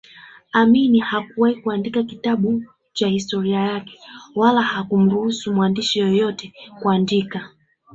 Amin hakuwahi kuandika kitabu cha historia yake wala hakuwahi kumruhusu mwandishi yeyote kuandika